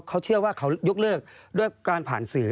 เขาเชื่อว่าเขายกเลิกด้วยการผ่านสื่อ